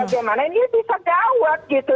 sebagaimana ini bisa diawat gitu